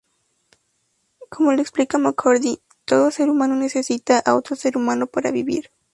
Como lo explica McCarthy, "todo ser humano necesita a otro ser humano para vivir.